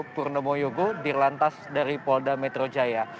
purnomo yogo dirlantas dari polda metro jaya